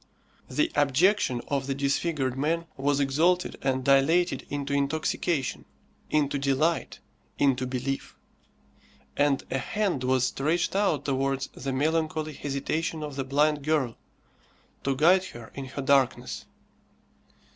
The abjection of the disfigured man was exalted and dilated into intoxication, into delight, into belief; and a hand was stretched out towards the melancholy hesitation of the blind girl, to guide her in her darkness.